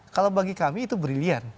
kalau bagi kami itu briliant